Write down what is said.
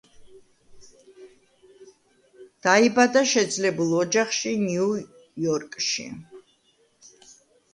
დაიბადა შეძლებულ ოჯახში ნიუ-იორკში.